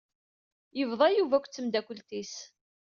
Yebḍa Yuba akked tmeddakelt-is.